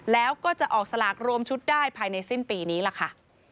แล้วก็จะออกสลากรวมชุดได้ภายในสิ้นปีนี้ล่ะค่ะ